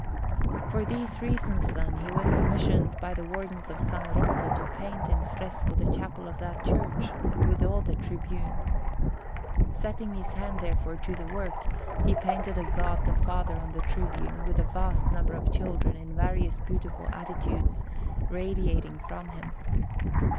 For these reasons, then, he was commissioned by the Wardens of S. Rocco to paint in fresco the chapel of that church, with all the tribune. Setting his hand, therefore, to this work, he painted a God the Father in the tribune, with a vast number of children in various beautiful attitudes, radiating from Him.